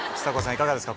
いかがですか？